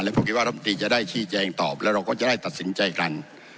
ผมคิดว่ารัฐมนตรีจะได้ชี้แจงตอบแล้วเราก็จะได้ตัดสินใจกัน